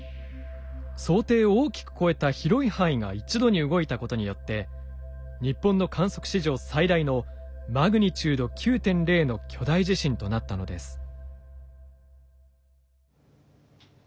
想定を大きく超えた広い範囲が一度に動いたことによって日本の観測史上最大のマグニチュード９．０の巨大地震となったのです。